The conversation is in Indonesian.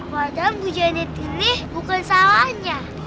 padahal bu janet ini bukan salahnya